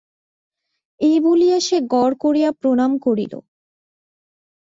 এই বলিয়া সে গড় করিয়া প্রণাম করিল।